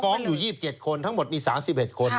อยู่๒๗คนทั้งหมดมี๓๑คน